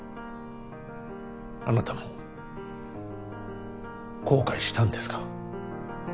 あなたも後悔したんですか？